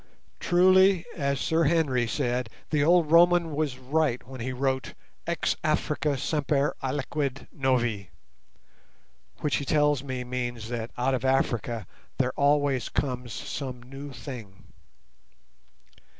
Truly, as Sir Henry said, the old Roman was right when he wrote "Ex Africa semper aliquid novi", which he tells me means that out of Africa there always comes some new thing.